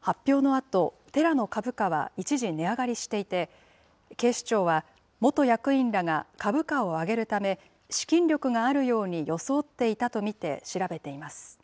発表のあと、テラの株価は一時値上がりしていて、警視庁は、元役員らが株価を上げるため、資金力があるように装っていたと見て、調べています。